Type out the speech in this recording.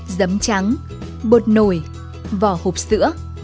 dấm trắng bột nồi vỏ hộp sữa